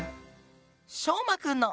しょうまくんの。